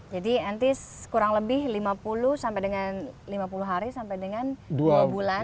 jadi nanti kurang lebih lima puluh sampai dengan lima puluh hari sampai dengan dua bulan